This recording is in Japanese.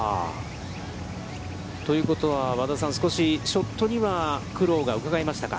ということは、和田さん、少しショットには苦労がうかがえましたか。